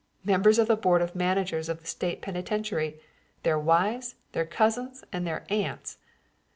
"Members of the board of managers of the state penitentiary, their wives, their cousins and their aunts.